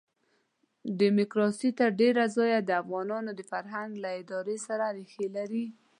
ډیموکراسي تر ډېره ځایه د افغانانو د فرهنګ له ادارې سره ریښې لري.